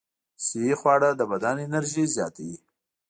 صحي خواړه د بدن انرژي زیاتوي.